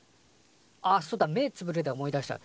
あそうだ目ぇつぶるで思い出した。